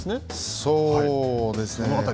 そうですね。